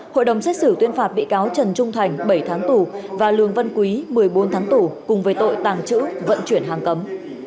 hội đồng xét xử tuyên phạt bị cáo trần trung thành bảy tháng tù và lường văn quý một mươi bốn tháng tù cùng với tội tàng trữ vận chuyển hàng cấm